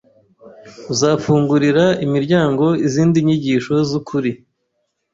uzafungurira imiryango izindi nyigisho z’ukuri